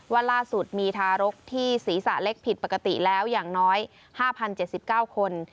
ว่าล่าสุดมีทารกที่ศีรษะเล็กผิดปกติแล้วอย่างน้อย๕๐๗๙คน